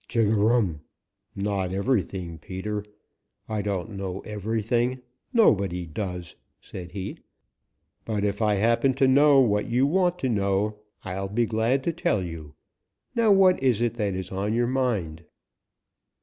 "Chug a rum! Not everything, Peter! I don't know everything. Nobody does," said he. "But if I happen to know what you want, to know, I'll be glad to tell you. Now what is it that is on your mind?"